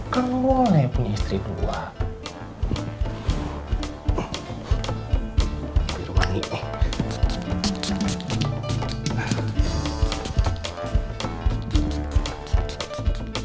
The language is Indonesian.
kan boleh punya istri dulu lah